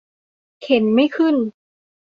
เข็นไม่ขึ้น